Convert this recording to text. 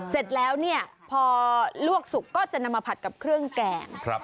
เสร็จแล้วเนี่ยพอลวกสุกก็จะนำมาผัดกับเครื่องแกง